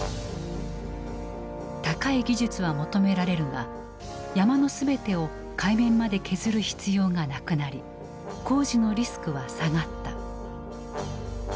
高い技術は求められるが山の全てを海面まで削る必要がなくなり工事のリスクは下がった。